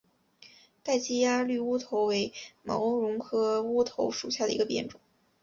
截基鸭绿乌头为毛茛科乌头属下的一个变种。